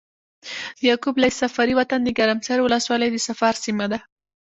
د يعقوب ليث صفاري وطن د ګرمسېر ولسوالي د صفار سيمه ده۔